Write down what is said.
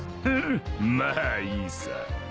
フンまあいいさ。